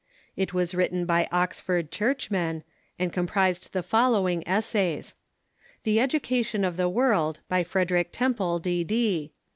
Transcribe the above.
It was Avritten by Oxford Churchmen, and com Re"iews"" pi'ised the following essays: "The Education of the World," by Frederick Temple, D.D.